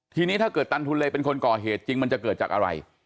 ทีนี้ถ้าเกิดตันทุนเลเป็นคนก่อเหตุจริงมันจะเกิดจากอะไร